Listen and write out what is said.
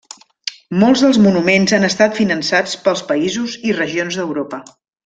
Molts dels monuments han estat finançats pels països i regions d'Europa.